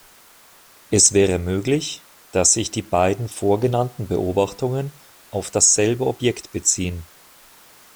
Es wäre möglich, dass sich die beiden vorgenannten Beobachtungen auf dasselbe Objekt beziehen.